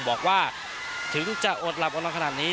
บอกว่าถึงจะอดหลับอดนอนขนาดนี้